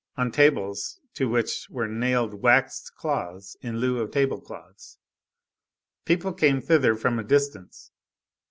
on tables to which were nailed waxed cloths in lieu of table cloths. People came thither from a distance.